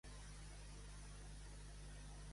Et sona si dijous estic citada amb la meva psicòloga?